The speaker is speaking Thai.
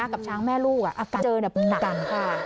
กับช้างแม่ลูกอาการเจอหนักกันค่ะ